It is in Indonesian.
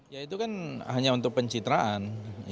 ya itu kan hanya untuk pencitraan